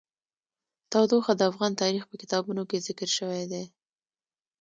تودوخه د افغان تاریخ په کتابونو کې ذکر شوی دي.